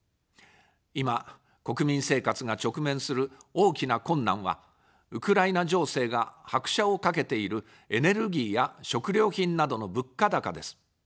今、国民生活が直面する大きな困難は、ウクライナ情勢が拍車をかけているエネルギーや食料品などの物価高です。